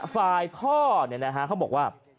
ฝ่ายพ่อเขาบอกว่า